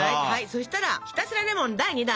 そしたらひたすらレモン第２弾！